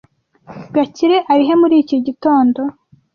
Gakire ari he muri iki gitondo?